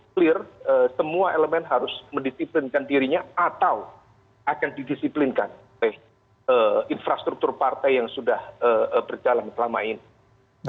jadi cukup clear semua elemen harus mendisiplinkan dirinya atau akan didisiplinkan oleh infrastruktur partai yang sudah berjalan selama ini